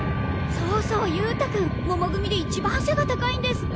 そうそう勇太君もも組で一番背が高いんですって？